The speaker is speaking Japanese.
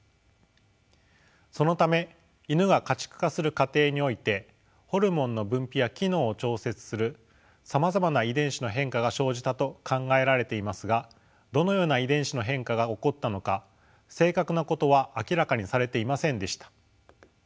そのためイヌが家畜化する過程においてホルモンの分泌や機能を調節するさまざまな遺伝子の変化が生じたと考えられていますがどのような遺伝子の変化が起こったのか正確なことは明らかにされていませんでした。